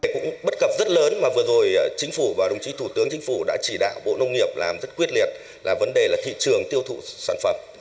cũng bất cập rất lớn mà vừa rồi chính phủ và đồng chí thủ tướng chính phủ đã chỉ đạo bộ nông nghiệp làm rất quyết liệt là vấn đề là thị trường tiêu thụ sản phẩm